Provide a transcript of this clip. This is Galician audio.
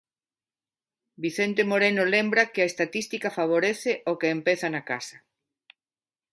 Vicente Moreno lembra que a estatística favorece o que empeza na casa.